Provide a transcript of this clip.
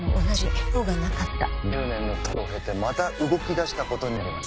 １０年の時を経てまた動き出したことになります。